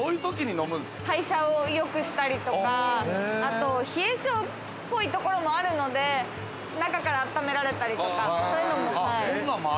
代謝を良くしたりとか、冷え性っぽいところもあるので、中から、あっためられたりとか。